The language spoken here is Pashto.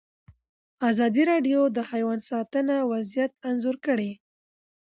ازادي راډیو د حیوان ساتنه وضعیت انځور کړی.